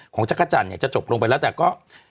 ของจักรจันทร์จะจบลงไปแล้วแต่ก็